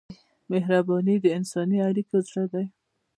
مهرباني د انساني اړیکو زړه دی.